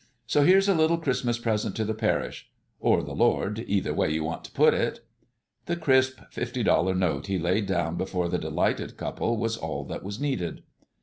So here's a little Christmas present to the parish or the Lord, either way you want to put it." The crisp fifty dollar note he laid down before the delighted couple was all that was needed.